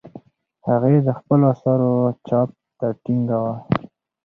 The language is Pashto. هغې د خپلو اثارو چاپ ته ټینګه وه.